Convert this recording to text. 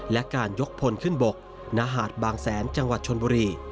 และการยกพลขึ้นบกณหาดบางแสนจังหวัดชนบุรี